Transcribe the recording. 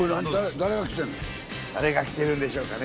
誰が来てるんでしょうかね。